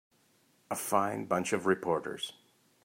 A fine bunch of reporters.